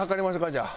じゃあ。